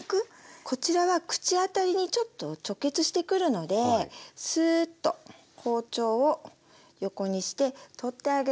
こちらは口当たりにちょっと直結してくるのでスーッと包丁を横にして取ってあげて下さい。